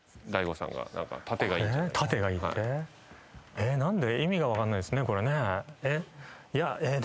えっ何で？